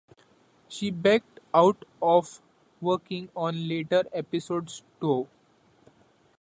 She backed out of working on later episodes though.